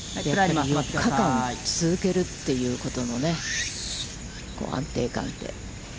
続けるということのね、安定感って。